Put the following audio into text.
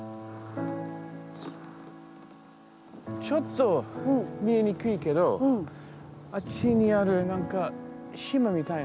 ちょっと見えにくいけどあっちにある何か島み